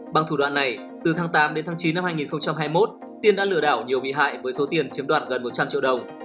bằng thủ đoạn này từ tháng tám đến tháng chín năm hai nghìn hai mươi một tiên đã lừa đảo nhiều bị hại với số tiền chiếm đoạt gần một trăm linh triệu đồng